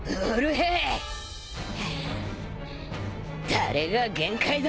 誰が限界だ。